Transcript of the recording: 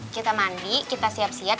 kita mandi kita siap siap